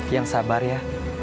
yang sabar ya